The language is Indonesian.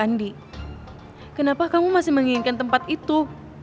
andi kenapa kamu masih menginginkan tempat itu